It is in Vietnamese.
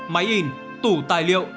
máy in tủ tài liệu